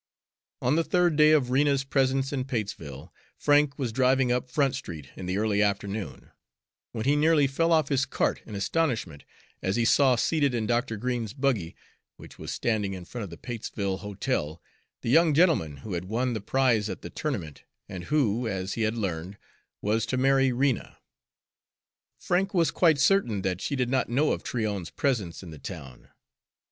On the third day of Rena's presence in Patesville, Frank was driving up Front Street in the early afternoon, when he nearly fell off his cart in astonishment as he saw seated in Dr. Green's buggy, which was standing in front of the Patesville Hotel, the young gentleman who had won the prize at the tournament, and who, as he had learned, was to marry Rena. Frank was quite certain that she did not know of Tryon's presence in the town.